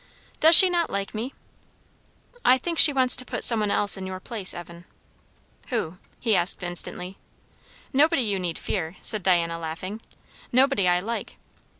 "Does she not like me?" "I think she wants to put some one else in your place, Evan." "Who?" he asked instantly. "Nobody you need fear," said Diana, laughing. "Nobody I like."